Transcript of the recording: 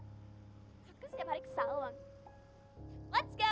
aku kan setiap hari ke salon let's go